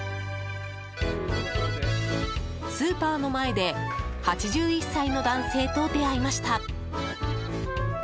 スーパーの前で８１歳の男性と出会いました。